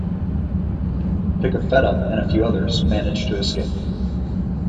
Pigafetta and a few others managed to escape.